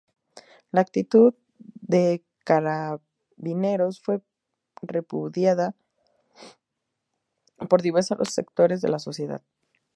La actitud de Carabineros fue repudiada por diversos sectores de la sociedad.